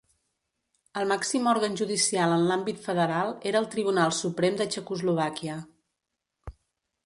El màxim òrgan judicial en l'àmbit federal era el Tribunal Suprem de Txecoslovàquia.